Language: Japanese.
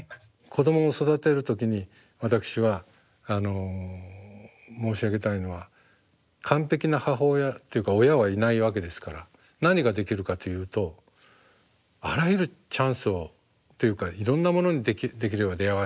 子どもを育てる時に私は申し上げたいのは完璧な母親というか親はいないわけですから何ができるかというとあらゆるチャンスをというかいろんなものにできれば出会わせてほしい。